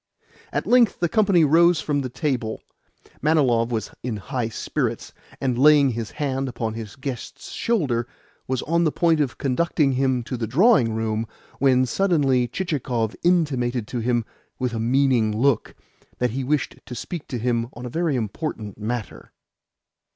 At length the company rose from table. Manilov was in high spirits, and, laying his hand upon his guest's shoulder, was on the point of conducting him to the drawing room, when suddenly Chichikov intimated to him, with a meaning look, that he wished to speak to him on a very important matter.